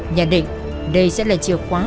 nhận định đây sẽ là chiều khóa